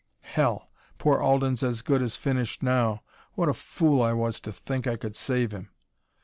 "Hell! Poor Alden's as good as finished now! What a fool I was to think I could save him!"